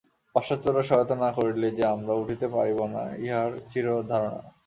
পাশ্চাত্যরা সহায়তা না করিলে যে আমরা উঠিতে পারিব না, ইহা চির ধারণা।